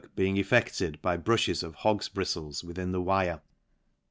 2S5 feeing effected by brulhes of hogs brifbles within the wire.